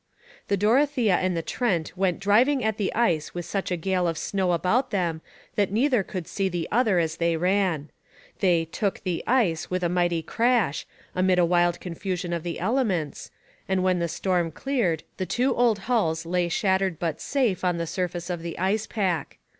The Dorothea and the Trent went driving at the ice with such a gale of snow about them that neither could see the other as they ran. They 'took the ice' with a mighty crash, amid a wild confusion of the elements, and when the storm cleared the two old hulls lay shattered but safe on the surface of the ice pack.